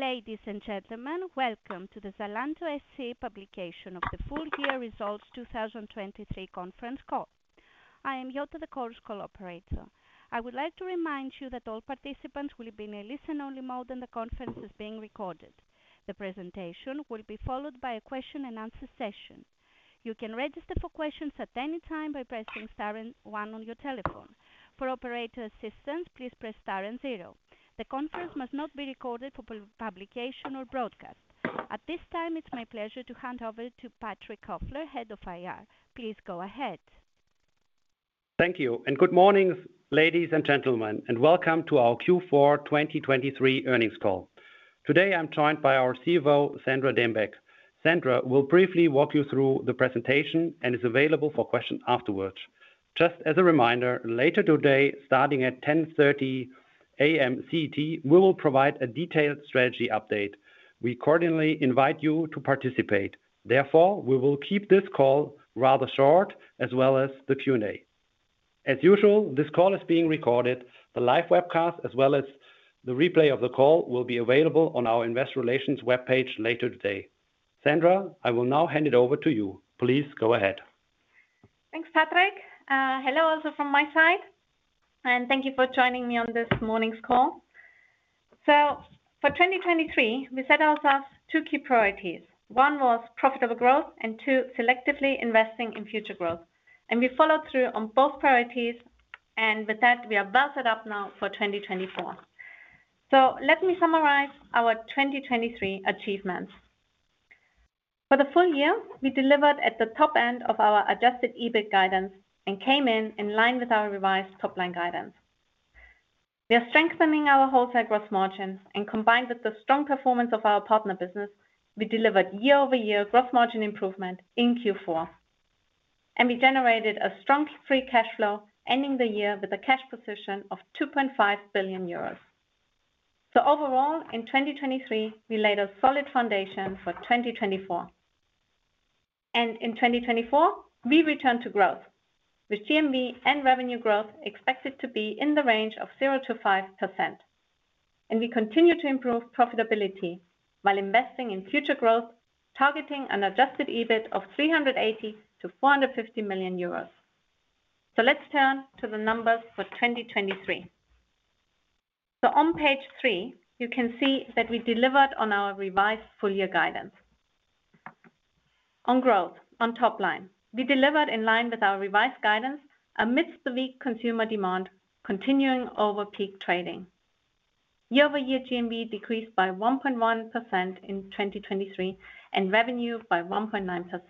Ladies and gentlemen, welcome to the Zalando SE Publication of the Full Year Results 2023 Conference Call. I am Jutta de Kools, call operator. I would like to remind you that all participants will be in a listen-only mode and the conference is being recorded. The presentation will be followed by a question-and-answer session. You can register for questions at any time by pressing star and 1 on your telephone. For operator assistance, please press star and 0. The conference must not be recorded for publication or broadcast. At this time, it's my pleasure to hand over to Patrick Kofler, head of IR. Please go ahead. Thank you. Good morning, ladies and gentlemen, and welcome to our Q4 2023 earnings call. Today I'm joined by our CFO, Sandra Dembeck. Sandra will briefly walk you through the presentation and is available for questions afterwards. Just as a reminder, later today, starting at 10:30 A.M. CET, we will provide a detailed strategy update. We cordially invite you to participate. Therefore, we will keep this call rather short as well as the Q&A. As usual, this call is being recorded. The live webcast as well as the replay of the call will be available on our Investor Relations webpage later today. Sandra, I will now hand it over to you. Please go ahead. Thanks, Patrick. Hello also from my side, and thank you for joining me on this morning's call. So for 2023, we set ourselves two key priorities. One was profitable growth and two, selectively investing in future growth. And we followed through on both priorities, and with that, we are well set up now for 2024. So let me summarize our 2023 achievements. For the full year, we delivered at the top end of our adjusted EBIT guidance and came in in line with our revised top-line guidance. We are strengthening our wholesale gross margin, and combined with the strong performance of our partner business, we delivered year-over-year gross margin improvement in Q4. And we generated a strong free cash flow, ending the year with a cash position of 2.5 billion euros. So overall, in 2023, we laid a solid foundation for 2024. In 2024, we returned to growth, with GMV and revenue growth expected to be in the range of 0%-5%. We continue to improve profitability while investing in future growth, targeting an adjusted EBIT of 380 million-450 million euros. Let's turn to the numbers for 2023. On page 3, you can see that we delivered on our revised full-year guidance. On growth, on top line, we delivered in line with our revised guidance amidst the weak consumer demand continuing over peak trading. Year-over-year, GMV decreased by 1.1% in 2023 and revenue by 1.9%.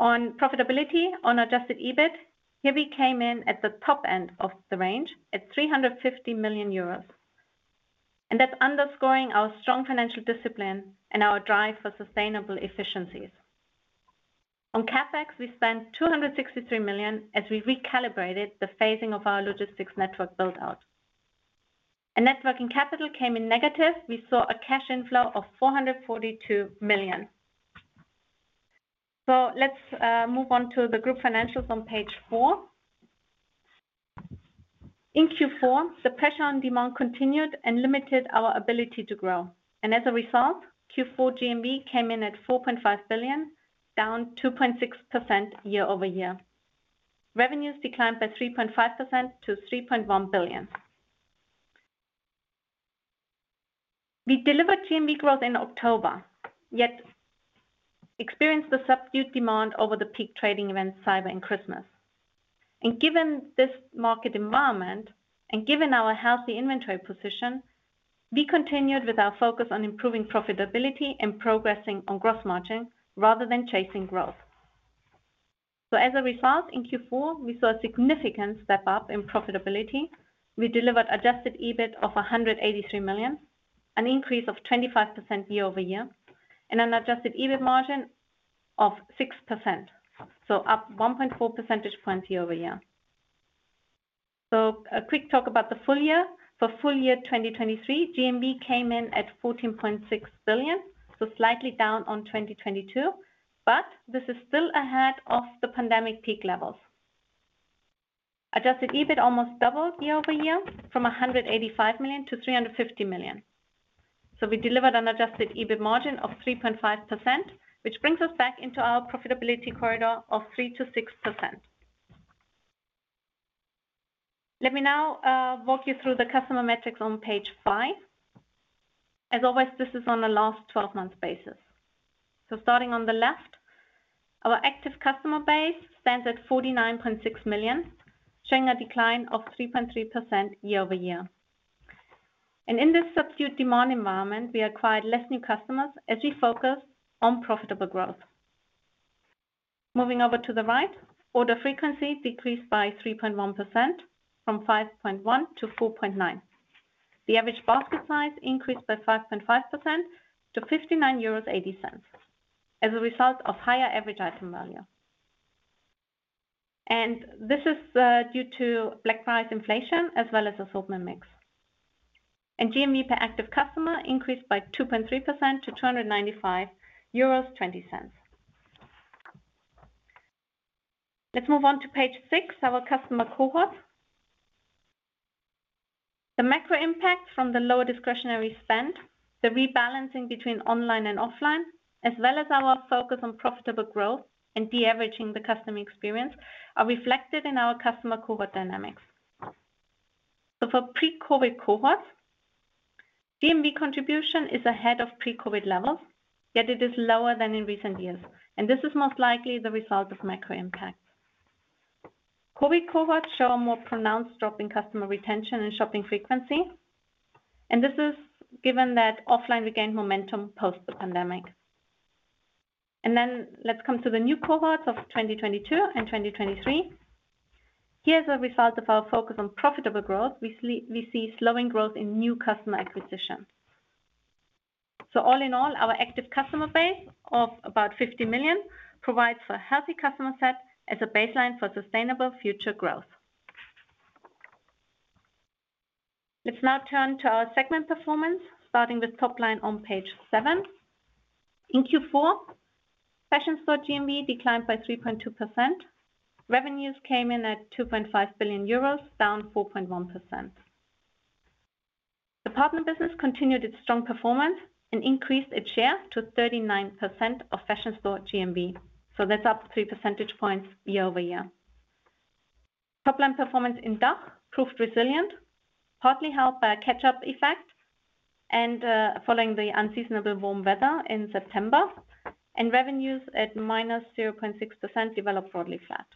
On profitability, on adjusted EBIT, here we came in at the top end of the range at 350 million euros. That's underscoring our strong financial discipline and our drive for sustainable efficiencies. On CapEx, we spent 263 million as we recalibrated the phasing of our logistics network buildout. Networking capital came in negative; we saw a cash inflow of 442 million. Let's move on to the group financials on page 4. In Q4, the pressure on demand continued and limited our ability to grow. As a result, Q4 GMV came in at 4.5 billion, down 2.6% year-over-year. Revenues declined by 3.5% to 3.1 billion. We delivered GMV growth in October, yet experienced a subdued demand over the peak trading event Cyber and Christmas. Given this market environment and given our healthy inventory position, we continued with our focus on improving profitability and progressing on gross margin rather than chasing growth. As a result, in Q4, we saw a significant step up in profitability. We delivered adjusted EBIT of 183 million, an increase of 25% year-over-year, and an adjusted EBIT margin of 6%, so up 1.4 percentage points year-over-year. So a quick talk about the full year. For full year 2023, GMV came in at 14.6 billion, so slightly down on 2022. But this is still ahead of the pandemic peak levels. Adjusted EBIT almost doubled year-over-year from 185 million to 350 million. So we delivered an adjusted EBIT margin of 3.5%, which brings us back into our profitability corridor of 3%-6%. Let me now walk you through the customer metrics on page 5. As always, this is on a last 12-month basis. So starting on the left, our active customer base stands at 49.6 million, showing a decline of 3.3% year-over-year. In this subdued demand environment, we acquired less new customers as we focused on profitable growth. Moving over to the right, order frequency decreased by 3.1% from 5.1 to 4.9. The average basket size increased by 5.5% to 59.80 euros as a result of higher average item value. This is due to black price inflation as well as assortment mix. GMV per active customer increased by 2.3% to 295.20 euros. Let's move on to page 6, our customer cohort. The macro impacts from the lower discretionary spend, the rebalancing between online and offline, as well as our focus on profitable growth and de-averaging the customer experience are reflected in our customer cohort dynamics. For pre-COVID cohorts, GMV contribution is ahead of pre-COVID levels, yet it is lower than in recent years. This is most likely the result of macro impacts. COVID cohorts show a more pronounced drop in customer retention and shopping frequency. This is given that offline regained momentum post the pandemic. Then let's come to the new cohorts of 2022 and 2023. Here, as a result of our focus on profitable growth, we see slowing growth in new customer acquisition. All in all, our active customer base of about 50 million provides for a healthy customer set as a baseline for sustainable future growth. Let's now turn to our segment performance, starting with top line on page 7. In Q4, fashion store GMV declined by 3.2%. Revenues came in at 2.5 billion euros, down 4.1%. The partner business continued its strong performance and increased its share to 39% of fashion store GMV. That's up 3 percentage points year-over-year. Top line performance in DACH proved resilient, partly held by a catch-up effect and following the unseasonable warm weather in September. And revenues at -0.6% developed broadly flat.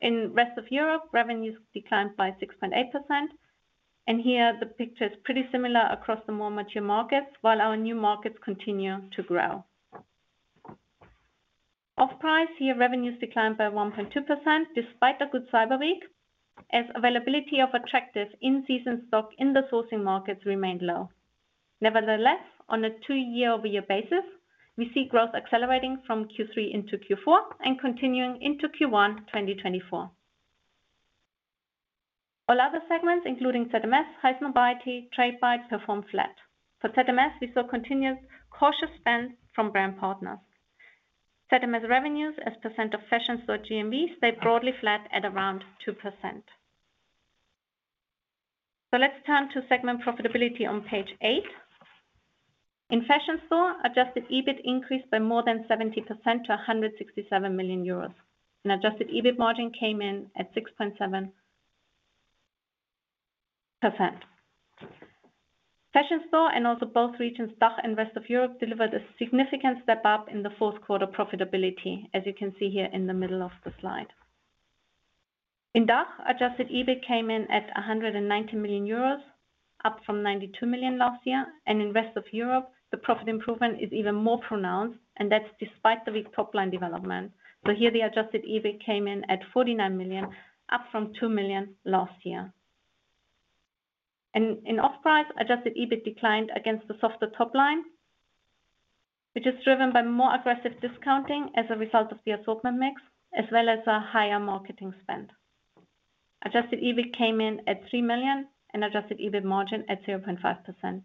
In the rest of Europe, revenues declined by 6.8%. And here, the picture is pretty similar across the more mature markets while our new markets continue to grow. Off-price, here, revenues declined by 1.2% despite a good Cyber Week as availability of attractive in-season stock in the sourcing markets remained low. Nevertheless, on a two-year-over-year basis, we see growth accelerating from Q3 into Q4 and continuing into Q1 2024. All other segments, including ZMS, Highsnobiety, Tradebyte, performed flat. For ZMS, we saw continued cautious spend from brand partners. ZMS revenues as percent of fashion store GMV stayed broadly flat at around 2%. So let's turn to segment profitability on page 8. In fashion store, adjusted EBIT increased by more than 70% to 167 million euros. Adjusted EBIT margin came in at 6.7%. Fashion store and also both regions, DACH and rest of Europe, delivered a significant step up in the fourth quarter profitability, as you can see here in the middle of the slide. In DACH, adjusted EBIT came in at 190 million euros, up from 92 million last year. In rest of Europe, the profit improvement is even more pronounced, and that's despite the weak top line development. Here, the adjusted EBIT came in at 49 million, up from 2 million last year. In off price, adjusted EBIT declined against the softer top line, which is driven by more aggressive discounting as a result of the assortment mix as well as a higher marketing spend. Adjusted EBIT came in at 3 million and adjusted EBIT margin at 0.5%.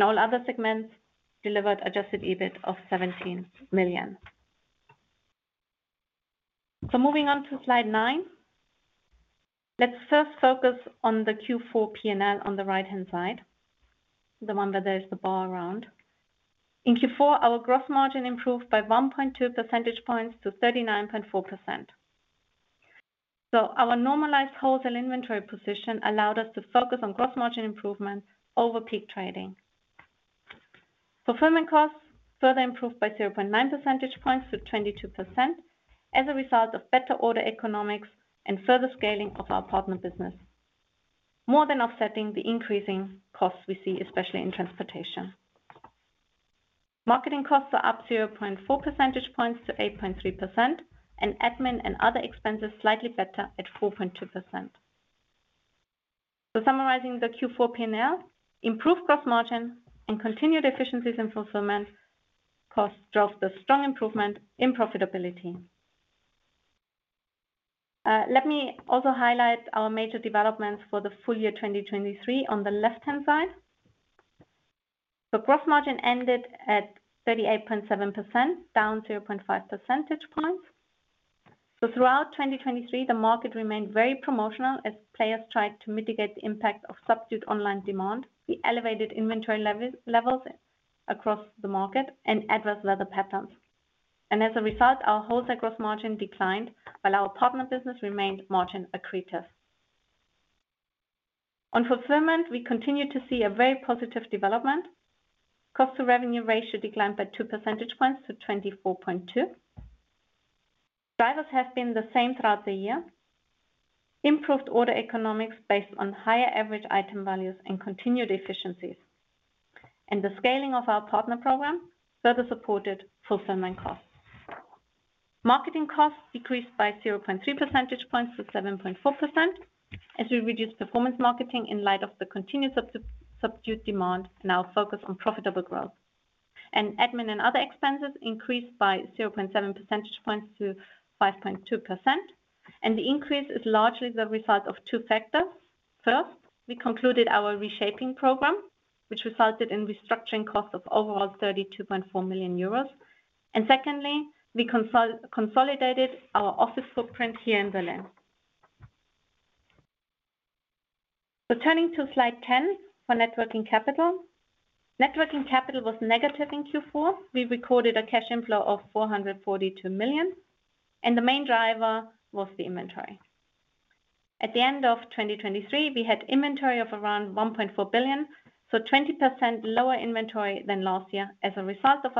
All other segments delivered adjusted EBIT of 17 million. Moving on to slide 9, let's first focus on the Q4 P&L on the right-hand side, the one where there is the bar around. In Q4, our gross margin improved by 1.2 percentage points to 39.4%. Our normalized wholesale inventory position allowed us to focus on gross margin improvement over peak trading. Fulfillment costs further improved by 0.9 percentage points to 22% as a result of better order economics and further scaling of our partner business, more than offsetting the increasing costs we see, especially in transportation. Marketing costs are up 0.4 percentage points to 8.3%, and admin and other expenses slightly better at 4.2%. Summarizing the Q4 P&L, improved gross margin and continued efficiencies in fulfillment costs drove the strong improvement in profitability. Let me also highlight our major developments for the full year 2023 on the left-hand side. Gross margin ended at 38.7%, down 0.5 percentage points. Throughout 2023, the market remained very promotional as players tried to mitigate the impact of subdued online demand. We elevated inventory levels across the market and adverse weather patterns. As a result, our wholesale gross margin declined while our partner business remained margin accretive. On fulfillment, we continue to see a very positive development. Cost-to-revenue ratio declined by 2 percentage points to 24.2. Drivers have been the same throughout the year. Improved order economics based on higher average item values and continued efficiencies. The scaling of our partner program further supported fulfillment costs. Marketing costs decreased by 0.3 percentage points to 7.4% as we reduced performance marketing in light of the continued subdued demand and our focus on profitable growth. Admin and other expenses increased by 0.7 percentage points to 5.2%. The increase is largely the result of two factors. First, we concluded our reshaping program, which resulted in restructuring costs of overall 32.4 million euros. Secondly, we consolidated our office footprint here in Berlin. Turning to slide 10 for net working capital. Net working capital was negative in Q4. We recorded a cash inflow of 442 million. The main driver was the inventory. At the end of 2023, we had inventory of around 1.4 billion, so 20% lower inventory than last year as a result of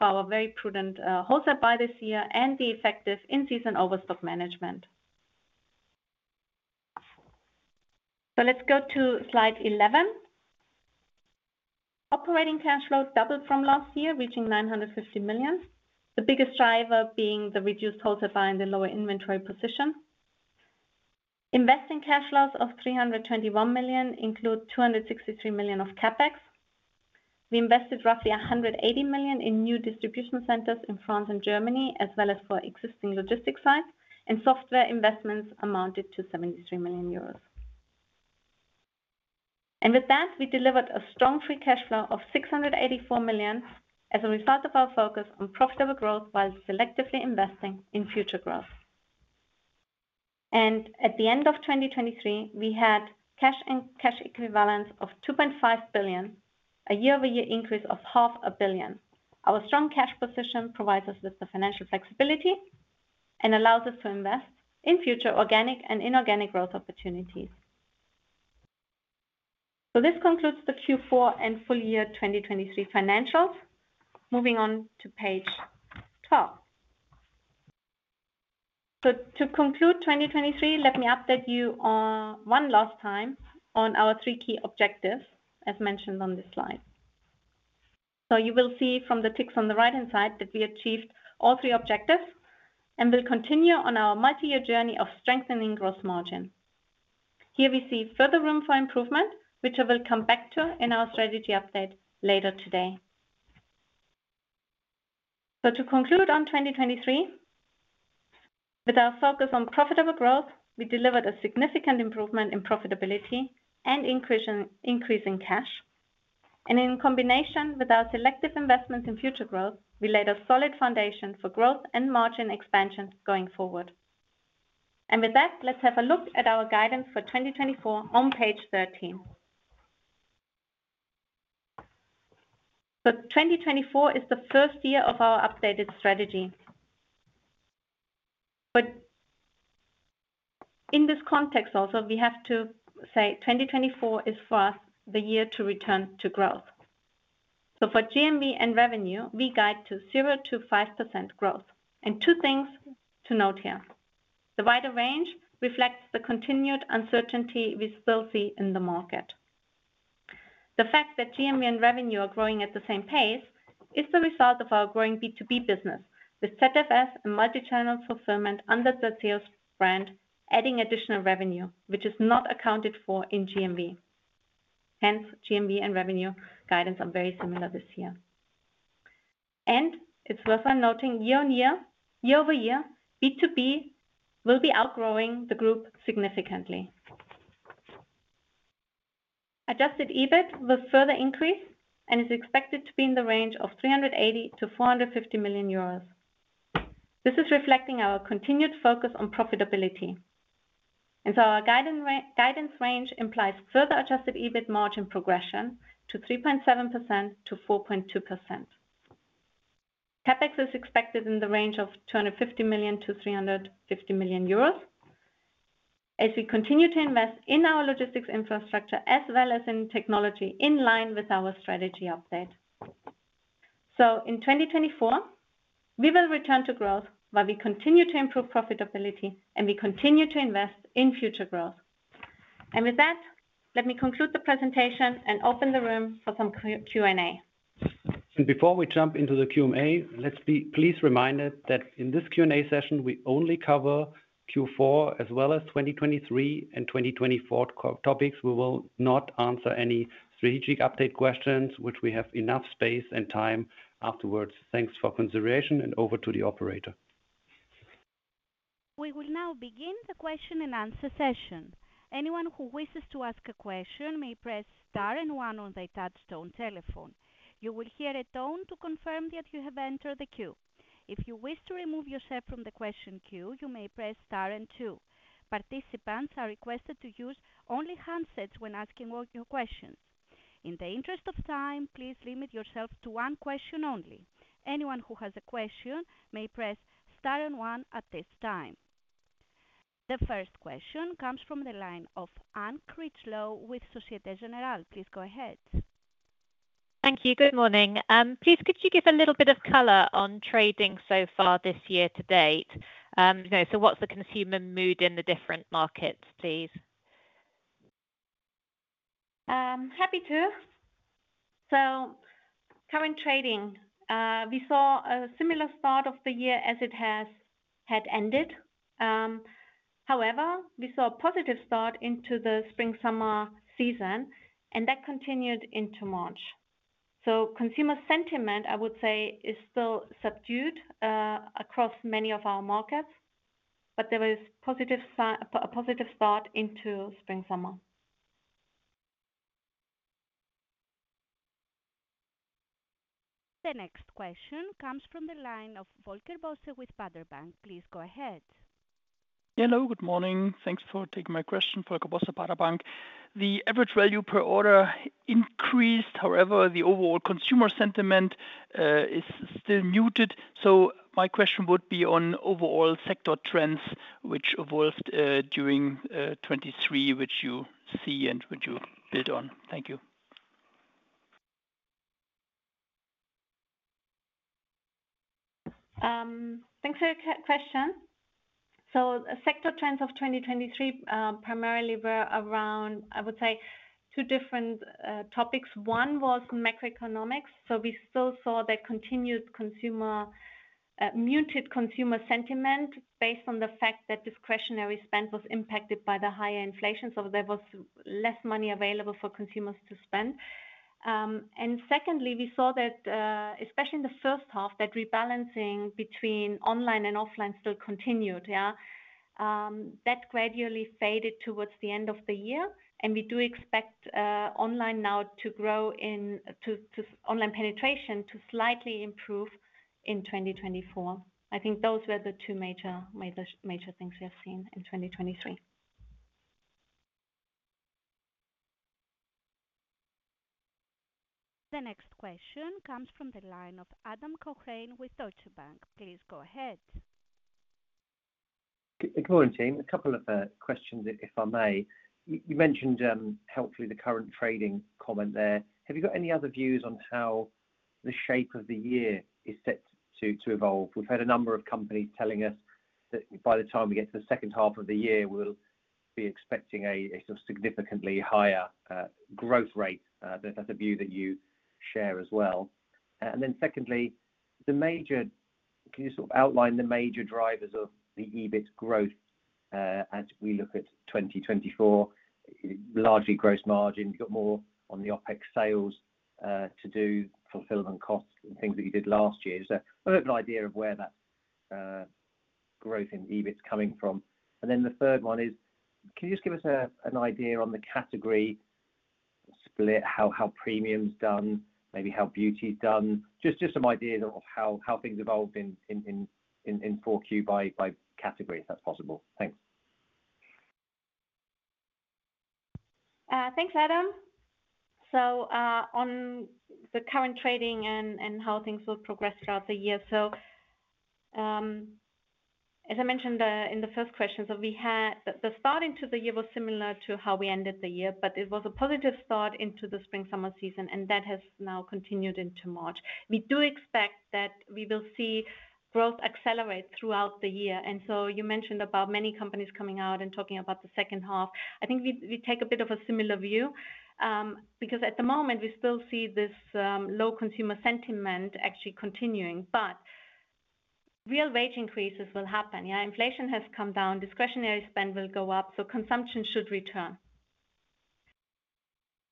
our very prudent wholesale buy this year and the effective in-season overstock management. Let's go to slide 11. Operating cash flow doubled from last year, reaching 950 million, the biggest driver being the reduced wholesale buy and the lower inventory position. Investing cash flows of 321 million include 263 million of CapEx. We invested roughly 180 million in new distribution centers in France and Germany as well as for existing logistics sites. Software investments amounted to 73 million euros. With that, we delivered a strong free cash flow of 684 million as a result of our focus on profitable growth while selectively investing in future growth. At the end of 2023, we had cash and cash equivalents of 2.5 billion, a year-over-year increase of 0.5 billion. Our strong cash position provides us with the financial flexibility and allows us to invest in future organic and inorganic growth opportunities. This concludes the Q4 and full year 2023 financials. Moving on to page 12. To conclude 2023, let me update you one last time on our three key objectives as mentioned on this slide. You will see from the ticks on the right-hand side that we achieved all three objectives and will continue on our multi-year journey of strengthening gross margin. Here, we see further room for improvement, which I will come back to in our strategy update later today. To conclude on 2023, with our focus on profitable growth, we delivered a significant improvement in profitability and increasing cash. In combination with our selective investments in future growth, we laid a solid foundation for growth and margin expansion going forward. With that, let's have a look at our guidance for 2024 on page 13. 2024 is the first year of our updated strategy. But in this context also, we have to say 2024 is for us the year to return to growth. So for GMV and revenue, we guide to 0%-5% growth. And two things to note here. The wider range reflects the continued uncertainty we still see in the market. The fact that GMV and revenue are growing at the same pace is the result of our growing B2B business with ZFS and multi-channel fulfillment under the ZEOS brand adding additional revenue, which is not accounted for in GMV. Hence, GMV and revenue guidance are very similar this year. And it's worthwhile noting year-on-year, year-over-year, B2B will be outgrowing the group significantly. Adjusted EBIT will further increase and is expected to be in the range of 380 million-450 million euros. This is reflecting our continued focus on profitability. Our guidance range implies further adjusted EBIT margin progression to 3.7%-4.2%. CapEx is expected in the range of 250 million-350 million euros as we continue to invest in our logistics infrastructure as well as in technology in line with our strategy update. In 2024, we will return to growth while we continue to improve profitability and we continue to invest in future growth. With that, let me conclude the presentation and open the floor for some Q&A. Before we jump into the Q&A, please be reminded that in this Q&A session, we only cover Q4 as well as 2023 and 2024 topics. We will not answer any strategic update questions, for which we have enough space and time afterwards. Thanks for your consideration, and over to the operator. We will now begin the question and answer session. Anyone who wishes to ask a question may press star and one on their touch-tone telephone. You will hear a tone to confirm that you have entered the queue. If you wish to remove yourself from the question queue, you may press star and two. Participants are requested to use only handsets when asking your questions. In the interest of time, please limit yourself to one question only. Anyone who has a question may press star and one at this time. The first question comes from the line of Anne Critchlow with Société Générale. Please go ahead. Thank you. Good morning. Please, could you give a little bit of color on trading so far this year to date? So what's the consumer mood in the different markets, please? Happy to. So current trading, we saw a similar start of the year as it had ended. However, we saw a positive start into the spring-summer season, and that continued into March. So consumer sentiment, I would say, is still subdued across many of our markets. But there was a positive start into spring-summer. The next question comes from the line of Volker Bosse with Baader Bank. Please go ahead. Hello. Good morning. Thanks for taking my question, Volker Bosse, Baader Bank. The average value per order increased. However, the overall consumer sentiment is still muted. So my question would be on overall sector trends which evolved during 2023, which you see and which you build on. Thank you. Thanks for your question. So sector trends of 2023 primarily were around, I would say, two different topics. One was macroeconomics. So we still saw that continued muted consumer sentiment based on the fact that discretionary spend was impacted by the higher inflation. So there was less money available for consumers to spend. And secondly, we saw that, especially in the first half, that rebalancing between online and offline still continued, yeah? That gradually faded towards the end of the year. And we do expect online now to grow in online penetration to slightly improve in 2024. I think those were the two major things we have seen in 2023. The next question comes from the line of Adam Cochrane with Deutsche Bank. Please go ahead. Good morning, A couple of questions, if I may. You mentioned, helpfully, the current trading comment there. Have you got any other views on how the shape of the year is set to evolve? We've had a number of companies telling us that by the time we get to the second half of the year, we'll be expecting a sort of significantly higher growth rate. That's a view that you share as well. And then secondly, can you sort of outline the major drivers of the EBIT growth as we look at 2024? Largely gross margin. You've got more on the OPEX sales to do, fulfillment costs, and things that you did last year. So a little bit of an idea of where that growth in EBIT is coming from. And then the third one is, can you just give us an idea on the category split, how premium is done, maybe how beauty is done? Just some ideas of how things evolved in 4Q by category, if that's possible. Thanks. Thanks, Adam. So on the current trading and how things will progress throughout the year. So as I mentioned in the first question, so the start into the year was similar to how we ended the year, but it was a positive start into the spring-summer season, and that has now continued into March. We do expect that we will see growth accelerate throughout the year. And so you mentioned about many companies coming out and talking about the second half. I think we take a bit of a similar view because at the moment, we still see this low consumer sentiment actually continuing. But real wage increases will happen, yeah? Inflation has come down. Discretionary spend will go up. So consumption should return.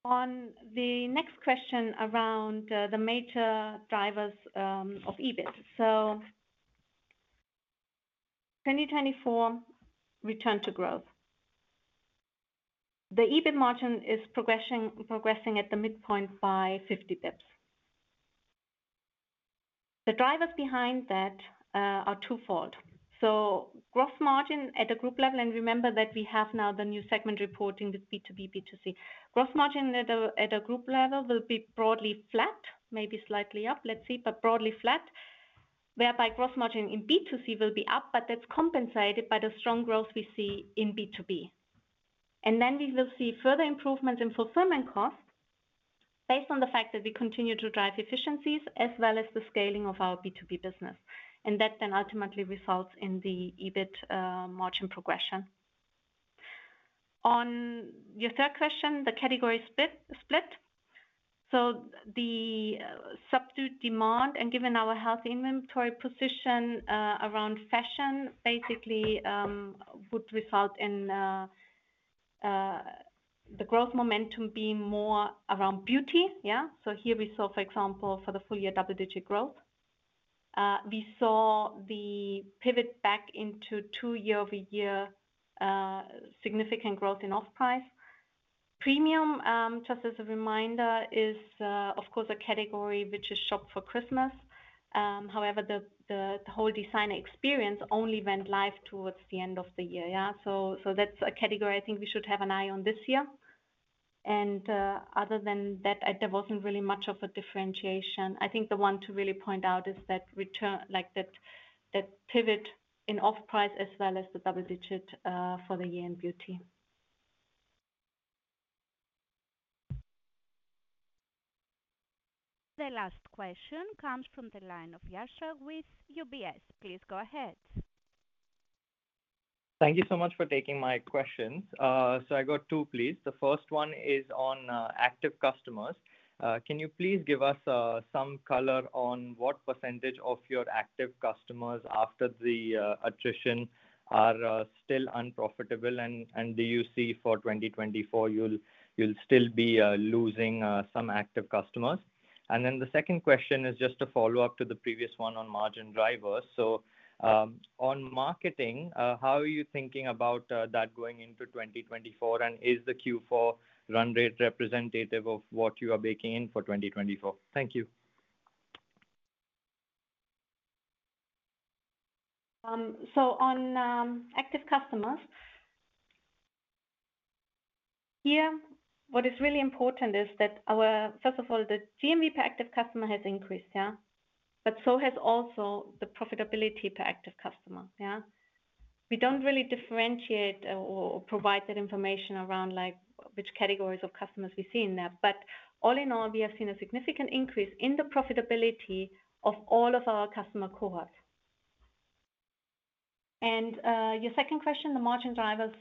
On the next question around the major drivers of EBIT, so 2024 return to growth. The EBIT margin is progressing at the midpoint by 50 pips. The drivers behind that are twofold. So gross margin at a group level, and remember that we have now the new segment reporting with B2B, B2C. Gross margin at a group level will be broadly flat, maybe slightly up, let's see, but broadly flat, whereby gross margin in B2C will be up, but that's compensated by the strong growth we see in B2B. Then we will see further improvements in fulfillment costs based on the fact that we continue to drive efficiencies as well as the scaling of our B2B business. That then ultimately results in the EBIT margin progression. On your third question, the category split. So the subdued demand and, given our healthy inventory position around fashion, basically, would result in the growth momentum being more around beauty, yeah? So here we saw, for example, for the full year, double-digit growth. We saw the pivot back into true year-over-year significant growth in off-price. Premium, just as a reminder, is, of course, a category which is shopped for Christmas. However, the whole designer experience only went live towards the end of the year, yeah? So that's a category I think we should have an eye on this year. Other than that, there wasn't really much of a differentiation. I think the one to really point out is that pivot in off-price as well as the double-digit for the year in beauty. The last question comes from the line of Yashraj with UBS. Please go ahead. Thank you so much for taking my questions. So I got two, please. The first one is on active customers. Can you please give us some color on what percentage of your active customers after the attrition are still unprofitable, and do you see for 2024 you'll still be losing some active customers? And then the second question is just a follow-up to the previous one on margin drivers. So on marketing, how are you thinking about that going into 2024, and is the Q4 run rate representative of what you are baking in for 2024? Thank you. So on active customers, here, what is really important is that, first of all, the GMV per active customer has increased, yeah? But so has also the profitability per active customer, yeah? We don't really differentiate or provide that information around which categories of customers we see in there. But all in all, we have seen a significant increase in the profitability of all of our customer cohort. And your second question, the margin drivers,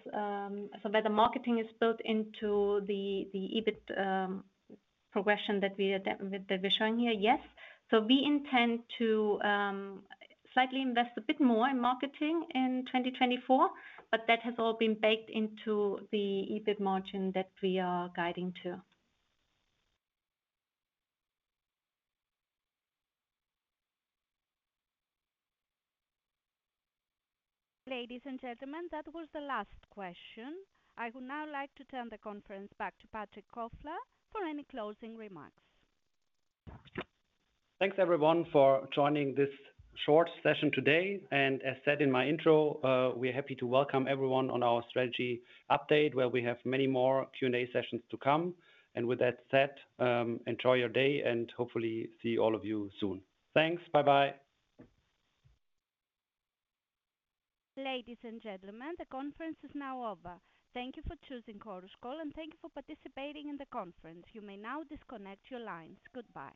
so whether marketing is built into the EBIT progression that we're showing here, yes. So we intend to slightly invest a bit more in marketing in 2024, but that has all been baked into the EBIT margin that we are guiding to. Ladies and gentlemen, that was the last question. I would now like to turn the conference back to Patrick Kofler for any closing remarks. Thanks, everyone, for joining this short session today. And as said in my intro, we're happy to welcome everyone on our strategy update where we have many more Q&A sessions to come. And with that said, enjoy your day and hopefully see all of you soon. Thanks. Bye-bye. Ladies and gentlemen, the conference is now over. Thank you for choosing Chorus Call, and thank you for participating in the conference. You may now disconnect your lines. Goodbye.